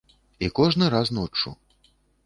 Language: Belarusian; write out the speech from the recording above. І кожны раз ноччу.